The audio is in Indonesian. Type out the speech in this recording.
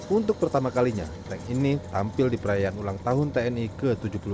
untuk pertama kalinya tank ini tampil di perayaan ulang tahun tni ke tujuh puluh dua